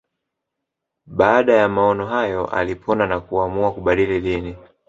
Baada ya maono hayo alipona na kuamua kubadili dini